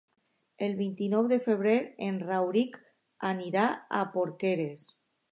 El vint-i-nou de febrer en Rauric anirà a Porqueres.